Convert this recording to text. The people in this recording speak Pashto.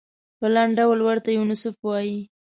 په لنډ ډول ورته یونیسف وايي.